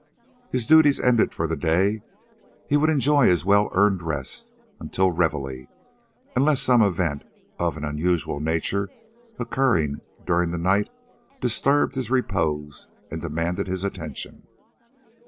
His duties ended for the day, he would enjoy his well earned rest until reveille, unless some event of an unusual nature, occurring during the night, disturbed his repose and demanded his attention.